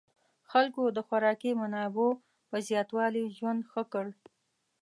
خلکو د خوراکي منابعو په زیاتوالي ژوند ښه کړ.